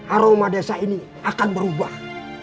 aroma desa ini akan berubah